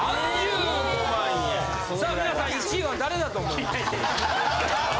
さあ皆さん１位は誰だと思いますか？